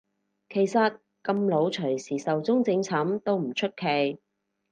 其實咁老隨時壽終正寢都唔出奇